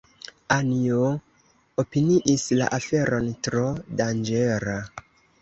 Anjo opiniis la aferon tro danĝera.